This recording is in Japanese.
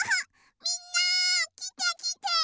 みんなきてきて！